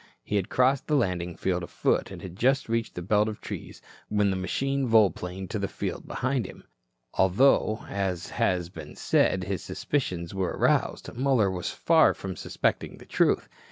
He had crossed the landing field afoot and had just reached the belt of trees when the machine volplaned to the field behind him. Although, as has been said, his suspicions were aroused, Muller was far from suspecting the truth.